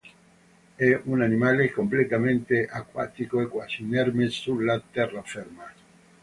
È un animale completamente acquatico e quasi inerme sulla terraferma.